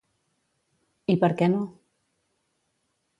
I per què no?